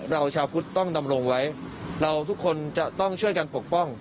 ชาวพุทธต้องดำรงไว้เราทุกคนจะต้องช่วยกันปกป้อง